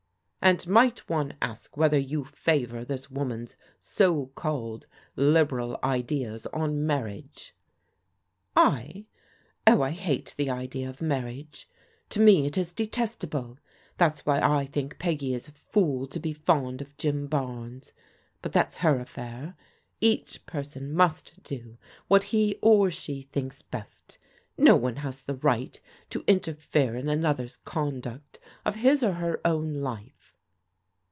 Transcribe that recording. "And might one ask whether you favour this woman's so called liberal ideas on marriage?" " I ? Oh, I hate the idea of marriage. To me it is detestable. That's why I think Peggy is a fool to be fond of Jim Barnes. But that's her affair. Each per son must do what he or she thinks best. No one has the right to interfere in another's conduct of his or her own life."